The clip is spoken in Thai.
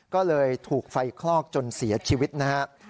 ก็เลยถูกไฟคลอกจนเสียชีวิตนะครับ